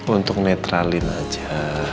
untuk netralin aja